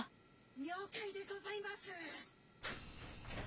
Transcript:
了解でございます。